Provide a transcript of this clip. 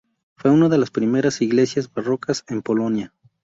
Fue una de las primeras iglesias barrocas en Polonia.